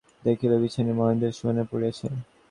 দেখিল, বিছানায় মহেন্দ্র শুইয়া পড়িয়াছে।